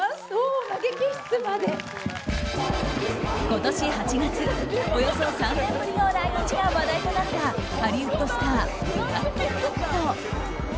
今年８月およそ３年ぶりの来日が話題となったハリウッドスターブラッド・ピット。